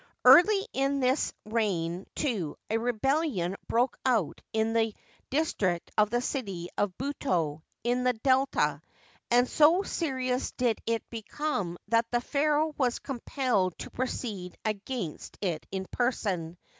Early in this reign, too, a rebellion broke out in the dis trict of the city of Buto, in the Delta, and so serious did it become that the pharaoh was compelled to proceed against it in person.